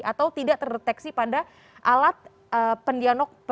atau tidak terdeteksi pada alat pendiano